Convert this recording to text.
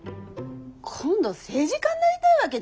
今度政治家になりたいわけ？